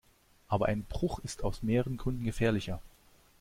Aber ein Bruch ist aus mehreren Gründen gefährlicher.